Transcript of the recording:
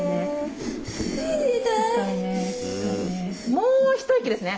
もう一息ですね。